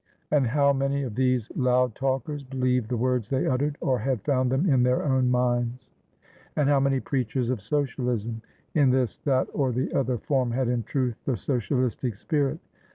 And how many of these loud talkers believed the words they uttered, or had found them in their own minds? And how many preachers of Socialismin this, that or the other form, had in truth the socialistic spirit?